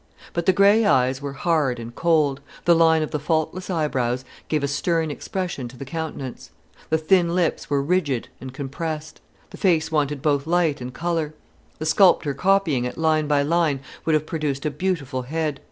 But the grey eyes were hard and cold, the line of the faultless eyebrows gave a stern expression to the countenance; the thin lips were rigid and compressed. The face wanted both light and colour. A sculptor copying it line by line would have produced a beautiful head.